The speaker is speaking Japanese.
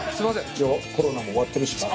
一応コロナも終わってるし。